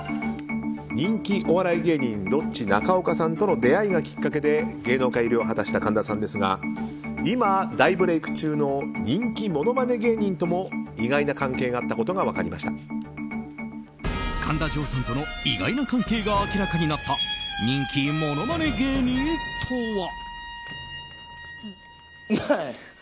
人気お笑い芸人ロッチ中岡さんとの出会いがきっかけで芸能界入りを果たした神田さんですが今、大ブレーク中の人気ものまね芸人とも意外な関係があったことが神田穣さんとの意外な関係が明らかになった人気ものまね芸人とは？